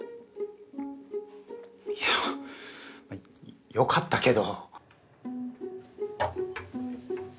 いやよよかったけど。